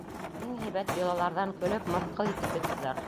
Иң һәйбәт йолаларҙан көлөп, мыҫҡыл итеп бөттөләр.